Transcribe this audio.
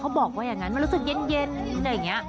เขาบอกว่าอย่างงั้นมันรู้สึกเย็นเย็นอะไรอย่างเงี้ย